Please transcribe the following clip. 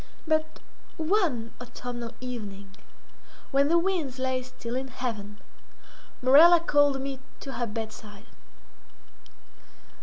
But one autumnal evening, when the winds lay still in heaven, Morella called me to her bedside.